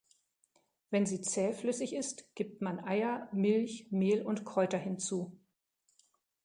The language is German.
Wenn sie zähflüssig ist, gibt man Eier, Milch, Mehl und Kräuter hinzu.